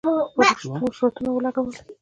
په رشوتونو ولګولې.